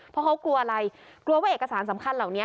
เพราะเขากลัวอะไรกลัวว่าเอกสารสำคัญเหล่านี้